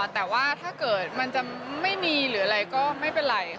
แต่ว่าถ้าเกิดมันจะไม่มีหรืออะไรก็ไม่เป็นไร